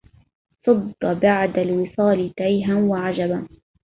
صد بعد الوصال تيها وعجبا